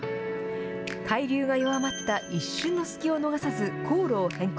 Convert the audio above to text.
海流が弱まった一瞬の隙を逃さず、航路を変更。